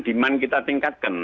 demand kita tingkatkan